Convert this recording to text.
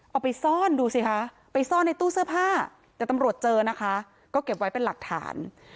เอาไปซ่อนดูสิคะไปซ่อนในตู้เสื้อผ้า